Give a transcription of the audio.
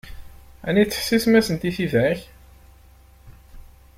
Ɛni tettḥessisem-asent i tidak?